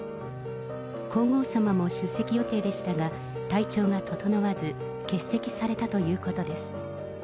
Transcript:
皇后さまも出席予定でしたが、体調が整わず、欠席されたということです。